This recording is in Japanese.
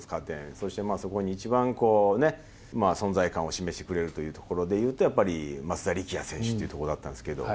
そして、そこに一番存在感を示してくれるというところでいうと、やっぱり松田力也選手ってとこだったんですけど。